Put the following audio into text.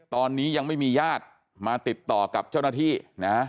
ตอนนี้ยังไม่มีญาติมาติดต่อกับเจ้าหน้าที่นะ